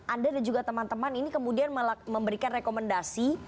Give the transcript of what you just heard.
anda dan juga teman teman ini kemudian memberikan rekomendasi